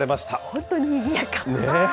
本当にぎやか。